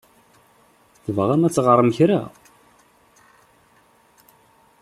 Tebɣam ad teɣṛem kra?